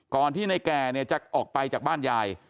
ที่ในแก่เนี่ยจะออกไปจากบ้านยาย